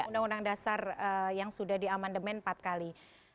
undang undang dasar yang sudah diamandemen empat kali